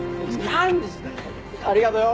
何でありがとよ！